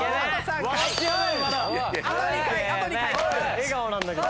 笑顔なんだけど。